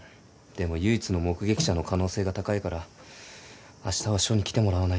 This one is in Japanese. でも唯一の目撃者の可能性が高いからあしたは署に来てもらわないと。